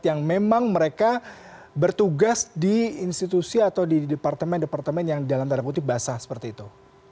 yang memang mereka bertugas di institusi atau di departemen departemen yang dalam tanda kutip basah seperti itu